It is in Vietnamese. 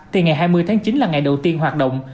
thì ngày hai mươi tháng chín là ngày đầu tiên hoạt động